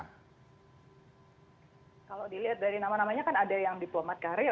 kalau dilihat dari nama namanya kan ada yang diplomat karya